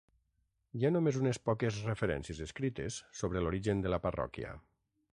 Hi ha només unes poques referències escrites sobre l'origen de la parròquia.